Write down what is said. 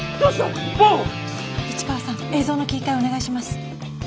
市川さん映像の切り替えお願いします。